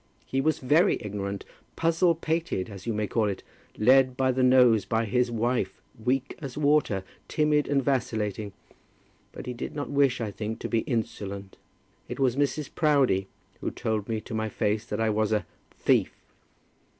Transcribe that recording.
He was very ignorant, puzzle pated, as you may call it, led by the nose by his wife, weak as water, timid, and vacillating. But he did not wish, I think, to be insolent. It was Mrs. Proudie who told me to my face that I was a thief."